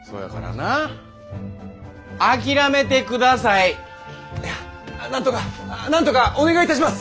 なんとかなんとかお願いいたします。